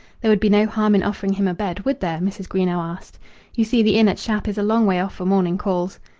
"There would be no harm in offering him a bed, would there?" Mrs. Greenow asked. "You see the inn at Shap is a long way off for morning calls."